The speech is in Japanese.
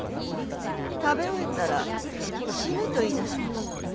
食べ終えたら「死ぬ」と言いだしまして。